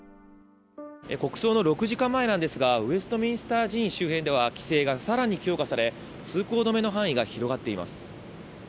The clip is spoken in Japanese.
国葬の６時間前なんですがウェストミンスター寺院周辺では規制が更に強化され通行止めの範囲が広がっています。